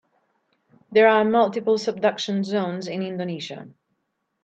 There are multiple subduction zones in Indonesia.